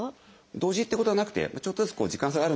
同時ってことはなくてちょっとずつ時間差があるんですね。